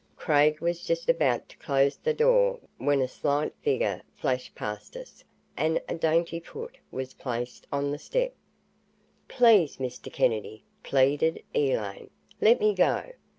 Craig was just about to close the door when a slight figure flashed past us and a dainty foot was placed on the step. "Please, Mr. Kennedy," pleaded Elaine, "let me go.